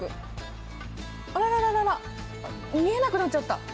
あららら見えなくなっちゃった。